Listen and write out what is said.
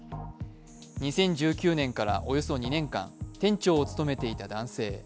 ２０１９年からおよそ２年間、店長を務めていた男性。